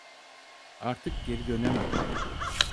Artık geri dönemem.